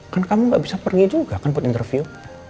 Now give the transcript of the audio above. kan kamu gak bisa pergi juga kan buat interview